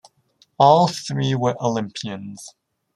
All three were Olympians.